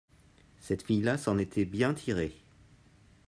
c'est fille-là s'en était bien tirée.